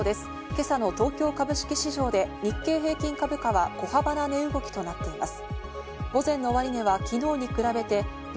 今朝の東京株式市場で日経平均株価は小幅な値動きとなっています。